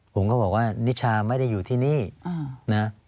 ผมก็บอกว่านิชาไม่ได้อยู่ที่นี่นะ